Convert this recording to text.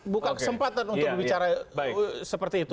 buka kesempatan untuk berbicara seperti itu